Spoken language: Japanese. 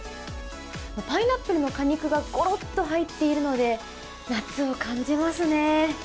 パイナップルの果肉がごろっと入っているので、夏を感じますね。